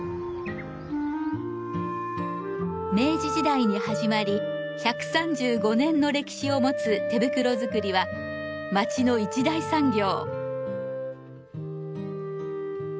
明治時代に始まり１３５年の歴史を持つ手袋づくりは町の一大産業。